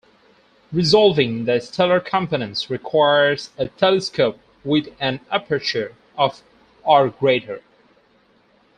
Resolving the stellar components requires a telescope with an aperture of or greater.